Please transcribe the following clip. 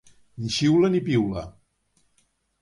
Ni xiula ni piula.